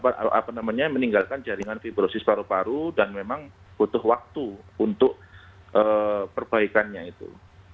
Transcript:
kita meninggalkan jaringan fibrosis paru paru dan memang butuh waktu untuk perbaikannya itu